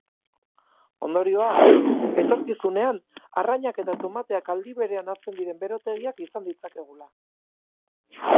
Ondorioa, etorkizunean arrainak eta tomateak aldi berean hazten diren berotegiak izan ditzakegula.